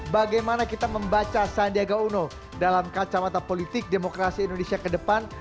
bagaimana kita membaca sandiaga uno dalam kacamata politik demokrasi indonesia ke depan